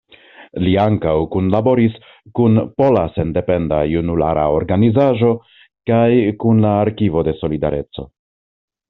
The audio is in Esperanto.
Li ankaŭ kunlaboris kun Pola Sendependa Junulara Organizaĵo kaj kun la Arkivo de Solidareco.